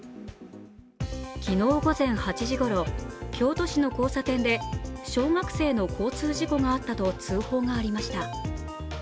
昨日午前８時ごろ、京都市の交差点で小学生の交通事故があったと通報がありました